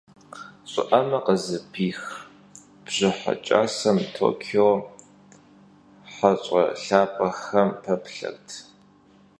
Ş'ı'eme khızıpix bjıhe ç'asem Tokio heş'e lhap'exem peplhert.